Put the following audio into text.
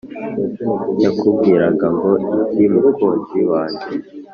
Yakubwiraga ngo iki Mukunzi wange?”